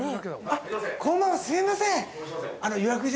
すいません。